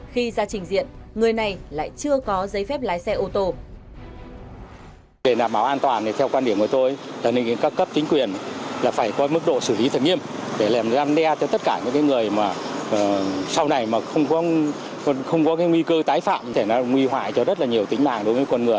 khi ra trình diện người này lại chưa có giấy phép lái xe ô tô